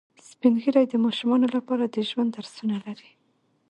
سپین ږیری د ماشومانو لپاره د ژوند درسونه لري